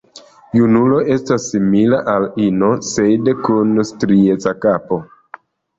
Junulo estas simila al ino, sed kun strieca kapo.